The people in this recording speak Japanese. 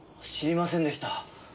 知りませんでした。